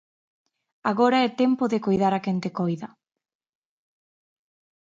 Agora é tempo de coidar a quen te coida.